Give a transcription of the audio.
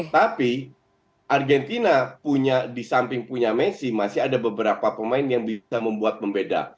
tapi argentina di samping punya messi masih ada beberapa pemain yang bisa membuat membeda